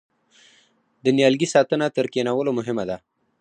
د نیالګي ساتنه تر کینولو مهمه ده؟